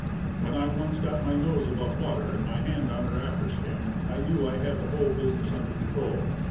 When I once got my nose above water, and my hand on her after stem, I knew I had the whole business under control.